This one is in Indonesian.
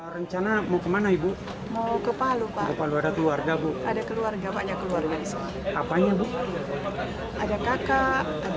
tetapi barusan saya dapat wa anak anak saya sudah tertangani